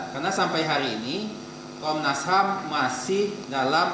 karena sampai hari ini komnas ham masih dalam